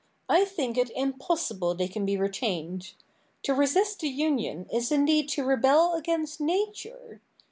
I think it impossible they can be retained. To resist the union is indeed to rebel against Nature.